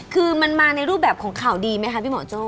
คือมันมาในรูปแบบของข่าวดีไหมคะพี่หมอโจ้